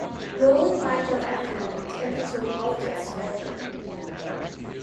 Roland rides out after them, intending to apologize to Olivier.